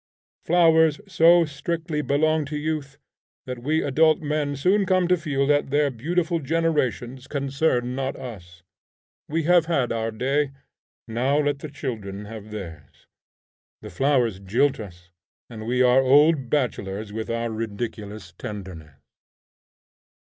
Flowers so strictly belong to youth that we adult men soon come to feel that their beautiful generations concern not us: we have had our day; now let the children have theirs. The flowers jilt us, and we are old bachelors with our ridiculous tenderness.